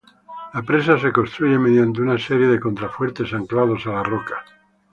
La presa se construye mediante una serie de contrafuertes anclados a la roca.